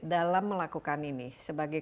dalam melakukan ini sebagai